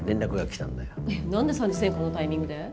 なんで３次選考のタイミングで？